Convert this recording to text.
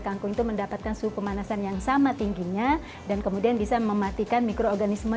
kangkung itu mendapatkan suhu pemanasan yang sama tingginya dan kemudian bisa mematikan mikroorganisme